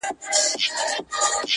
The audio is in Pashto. نه په كار مي دي تختونه هوسونه.!